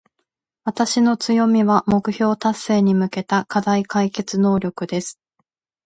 私の強みは、目標達成に向けた課題解決能力です。